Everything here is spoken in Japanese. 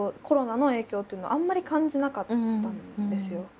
コロナの影響っていうのをあんまり感じなかったんですよ。